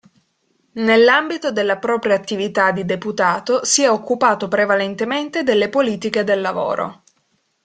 Nell'ambito della propria attività di deputato si è occupato prevalentemente delle politiche del lavoro.